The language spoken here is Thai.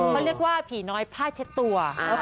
เขาเรียกว่าผีน้อยผ้าเช็ดตัว